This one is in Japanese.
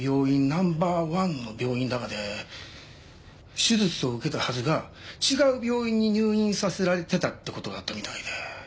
ナンバーワンの病院だかで手術を受けたはずが違う病院に入院させられてたって事があったみたいで。